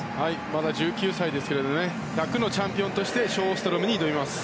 まだ１９歳ですけれどもね１００のチャンピオンとしてショーストロムに挑みます。